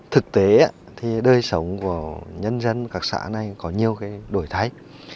thực tế đời sống của nhân dân các xã này có nhiều đổi thái